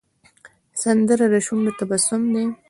سندره د شونډو تبسم دی